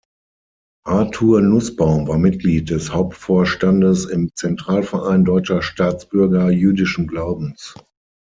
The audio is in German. Arthur Nußbaum war Mitglied des Hauptvorstandes im Central-Verein deutscher Staatsbürger jüdischen Glaubens.